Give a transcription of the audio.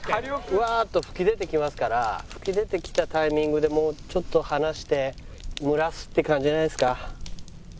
ブワーッと噴き出てきますから噴き出てきたタイミングでもうちょっと離して蒸らすって感じじゃないですか。